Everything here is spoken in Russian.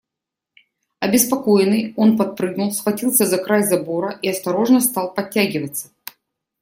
Обеспокоенный, он подпрыгнул, схватился за край забора и осторожно стал подтягиваться.